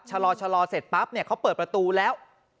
ชะลอเสร็จปั๊บเนี่ยเขาเปิดประตูแล้ว